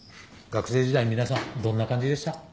学生時代皆さんどんな感じでした？